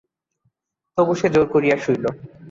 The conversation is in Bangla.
তবু সে জোর করিয়া শুইল।